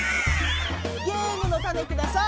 ゲームのタネください。